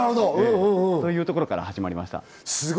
そういうところから始まりました。